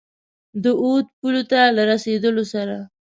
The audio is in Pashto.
د اود پولو ته له رسېدلو سره.